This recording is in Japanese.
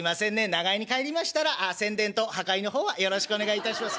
長屋に帰りましたら宣伝と破壊の方はよろしくお願いいたします」。